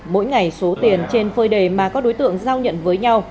mỗi ngày số tiền trên phơi đề mà các đối tượng giao nhận với nhau